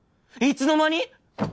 いつの間に！？